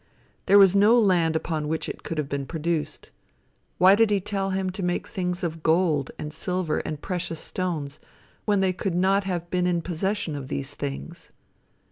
There was no land upon which it could have been produced. Why did he tell him to make things of gold, and silver, and precious stones, when they could not have been in possession of these things?